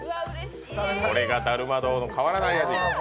これがだるま堂の変わらない味。